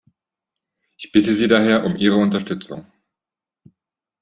Ich bitte Sie daher um Ihre Unterstützung.